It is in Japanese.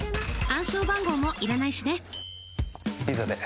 暗証番号もいらないしね。